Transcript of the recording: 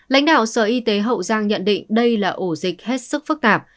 lãnh đạo sở y tế hậu giang nhận định đây là ổ dịch hết sức phức tạp